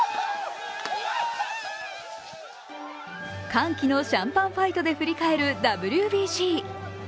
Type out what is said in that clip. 歓喜のシャンパンファイトで振り返るＷＢＣ。